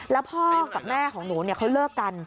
แล้วพ่อกับแม่ของหนูเขาเลิกกัน